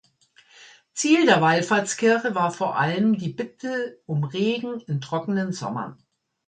Ziel der Wallfahrtskirche war vor allem die Bitte um Regen in trockenen Sommern.